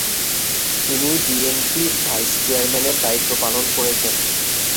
তিনি বিএনপির ভাইস চেয়ারম্যানের দায়িত্ব পালন করছেন।